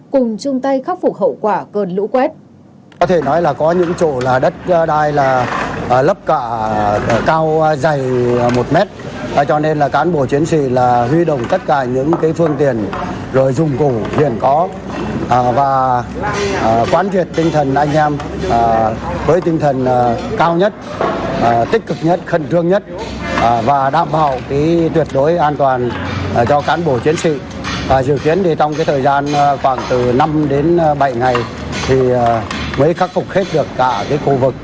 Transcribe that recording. cùng chung tay khắc phục hậu quả cơn lũ quét